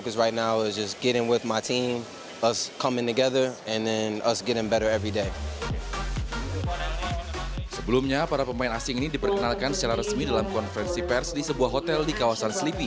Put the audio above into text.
sebelumnya para pemain asing ini diperkenalkan secara resmi dalam konferensi pers di sebuah hotel di kawasan sleepy